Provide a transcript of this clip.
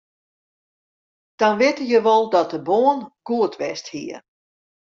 Dan witte je wol dat de bân goed west hie.